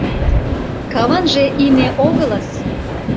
Каванже име огылыс.